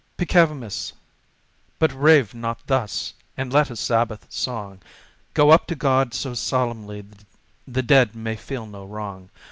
Peccavimus; but rave not thus! and let a Sabbath song Go up to God so solemnly the dead may feel no wrong!